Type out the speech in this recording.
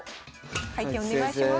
回転お願いします。